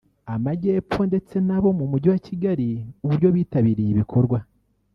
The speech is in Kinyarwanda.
Amajyepfo ndetse nabo mu mujyi wa Kigali uburyo bitabiriye ibikorwa